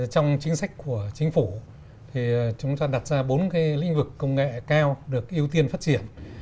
trong chính sách của chính phủ thì chúng ta đặt ra bốn lĩnh vực công nghệ cao được ưu tiên phát triển